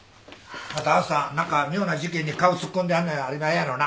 またあんさん何か妙な事件に顔突っ込んではんのやありまへんやろうな？